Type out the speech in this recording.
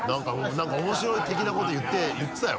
何か面白い的なこと言ってたよ